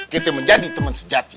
kita menjadi teman sejati